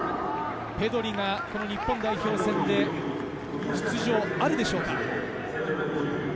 ペドリが日本代表戦で出場はあるでしょうか。